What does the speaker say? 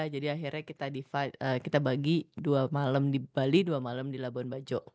jadi akhirnya kita bagi dua malam di bali dua malam di labuan bajo